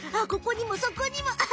ここにもそこにも！